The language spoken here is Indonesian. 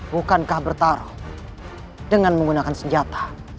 bukankah bertaruh dengan menggunakan senjata